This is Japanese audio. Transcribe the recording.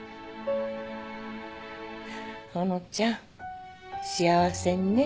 ほのちゃん幸せにね。